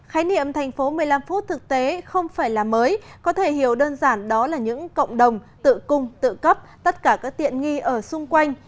khái niệm thành phố một mươi năm phút thực tế không phải là mới có thể hiểu đơn giản đó là những cộng đồng tự cung tự cấp tất cả các tiện nghi ở xung quanh